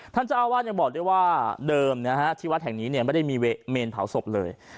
ท่านเจ้าอาวาสยังบอกด้วยว่าเดิมนะฮะที่วัดแห่งนี้ไม่ได้มีเมนเผาศพเลย